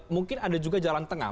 mungkin ada juga jalan tengah